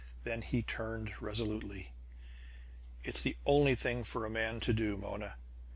Then he turned resolutely. "It's the only thing for a man to do, Mona!